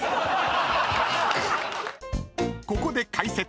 ［ここで解説！